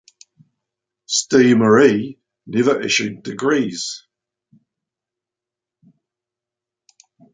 Ste-Marie never issued degrees.